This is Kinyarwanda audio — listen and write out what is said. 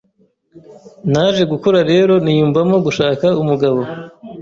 naje gukura rero niyumvamo gushaka umugabo